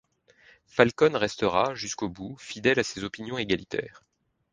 Falcon restera, jusqu'au bout, fidèle à ses opinions égalitaires.